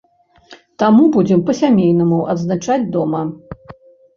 Таму будзем па-сямейнаму адзначаць дома.